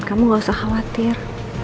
kamu gak usah khawatir